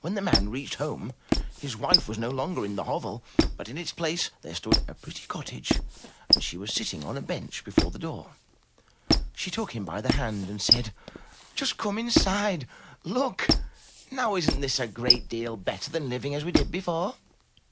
When the man reached home, his wife was no longer in the hovel, but in its place there stood a pretty cottage, and she was sitting on a bench before the door. She took him by the hand and said, *7ust come inside. Look! Now isn*t this a great deal better than living as we did before?